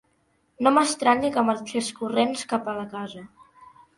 No m'estranya que marxés corrents cap a la casa.